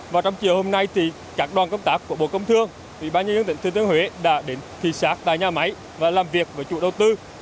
và trong chiều hôm nay các đoàn công tác của bộ công thương ubnd tỉnh thừa thiên huế đã đến thị xác tại nhà máy và làm việc với chủ đầu tư